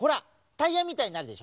タイヤみたいになるでしょ？